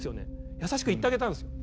優しく言ってあげたんですよ。